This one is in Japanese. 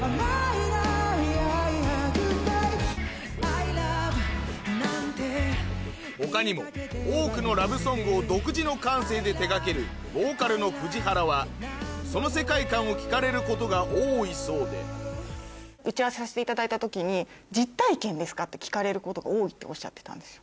ＩＬＯＶＥなんて他にも多くのラブソングを独自の感性で手掛けるボーカルの藤原はその世界観を聞かれることが多いそうで打ち合わせさせていただいた時に。っておっしゃってたんですよ。